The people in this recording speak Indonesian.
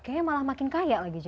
kayaknya malah makin kaya lagi juga